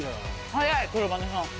早い黒羽根さん。